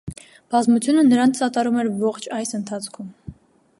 Բազմությունը նրան սատարում էր ողջ այս ընթացքում։